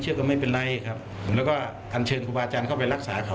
จำไว้แล้วก็คิดหน่อยว่า